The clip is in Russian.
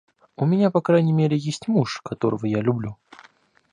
У меня по крайней мере есть муж, которого я люблю.